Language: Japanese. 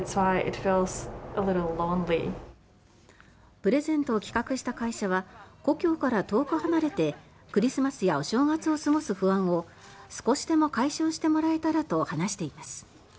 プレゼントを企画した会社は故郷から遠く離れてクリスマスやお正月を過ごす不安を少しでも解消してもらえたらと話しています。